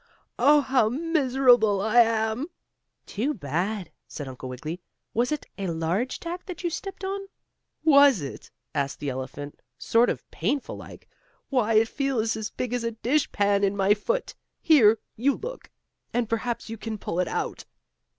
Oh, how miserable I am!" "Too bad," said Uncle Wiggily. "Was it a large tack that you stepped on?" "Was it?" asked the elephant, sort of painful like. "Why, it feels as big as a dishpan in my foot. Here, you look, and perhaps you can pull it out."